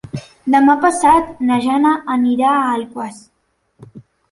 Demà passat na Jana anirà a Alaquàs.